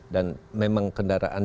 dan memang kendaraan biasa